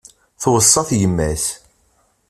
Tweṣṣa-t yemma-s.